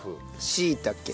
しいたけ。